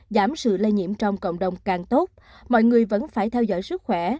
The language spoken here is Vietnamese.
giảm sự lây nhiễm trong cộng đồng càng tốt mọi người vẫn phải theo dõi sức khỏe